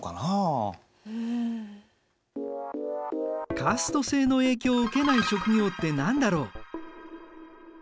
カースト制の影響を受けない職業って何だろう？